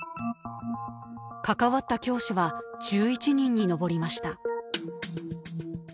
関わった教師は１１人に上りました。